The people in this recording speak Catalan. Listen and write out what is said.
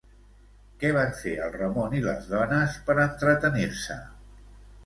Què van fer el Ramon i les dones per entretenir-se?